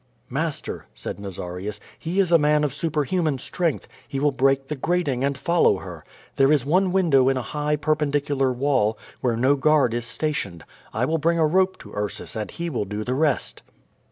"Master," said Nazarius, "he is a man of superhuman strength; he will break the grating and follow her. There is one window in a high, perpendicular wall, where no guard is stationed. I will bring a rope to Ursus and he will do the rest."